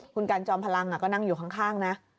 คุณกันจอมพลังก็นั่งอยู่ข้างนะ